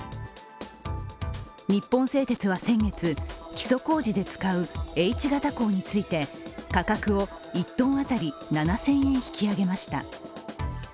日本製鉄は先月、基礎工事で使うＨ形鋼について価格を１ｔ当たり７０００円引き上げました。